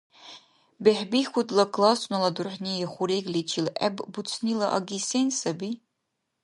БехӀбихьудла классунала дурхӀни хурегличил гӀеббуцнила аги сен саби?